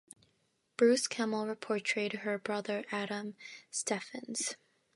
Bruce Kimmel portrayed her brother, Adam Stephens.